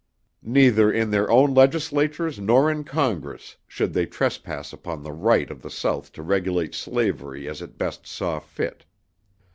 Neither in their own legislatures nor in Congress should they trespass upon the right of the South to regulate slavery as it best saw fit.